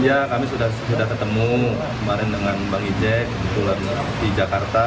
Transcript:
iya kami sudah ketemu kemarin dengan bang ijek kebetulan di jakarta